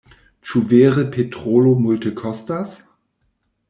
Ĉu vere petrolo multekostas?